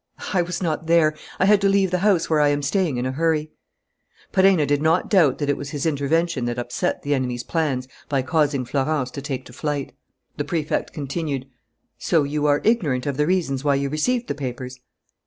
"I was not there. I had to leave the house where I am staying, in a hurry." Perenna did not doubt that it was his intervention that upset the enemy's plans by causing Florence to take to flight. The Prefect continued: "So you are ignorant of the reasons why you received the papers?"